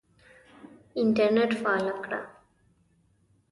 انټرنېټ فعاله کړه !